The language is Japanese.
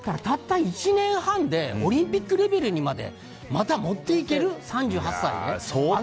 たった１年半でオリンピックレベルにまでまたもっていける？